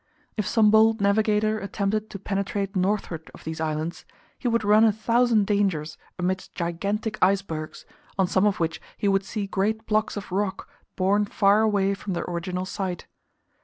If some bold navigator attempted to penetrate northward of these islands, he would run a thousand dangers amidst gigantic icebergs, on some of which he would see great blocks of rock borne far away from their original site.